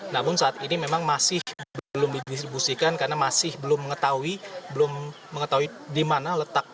namun saat ini memang masih belum didistribusikan karena masih belum mengetahui belum mengetahui di mana letak